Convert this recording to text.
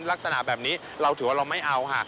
ลักษณะแบบนี้เราถือว่าเราไม่เอาค่ะ